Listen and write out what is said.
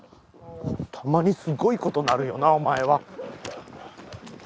たまにすごいことなるよなお前は。